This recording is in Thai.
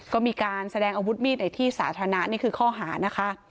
ก็มีการแสดงอาวุธมีดในที่สาธารณะนี่คือข้อหานะคะ